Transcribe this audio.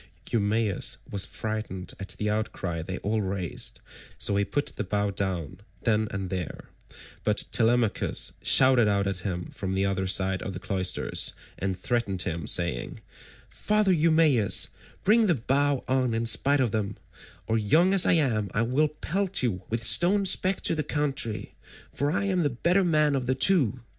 Eumaeus was frightened at the outcry they all raised, so he put the bow down then and there, but Telemachus shouted out at him from the other side of the cloisters, and threatened him saying, "Father Eumaeus, bring the bow on in spite of them, or young as I am I will pelt you with stones back to the country, for I am the better man of the two.